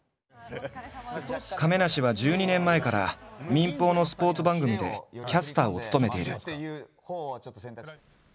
亀梨は１２年前から民放のスポーツ番組でキャスターを務めている。